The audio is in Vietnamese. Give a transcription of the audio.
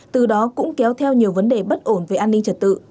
từ đó cũng kéo theo nhiều vấn đề bất ổn về an ninh trật tự